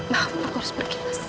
maaf aku harus pergi mas